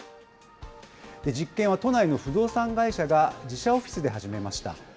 実験は都内の不動産会社が自社オフィスで始めました。